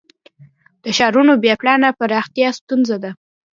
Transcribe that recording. د ښارونو بې پلانه پراختیا ستونزه ده.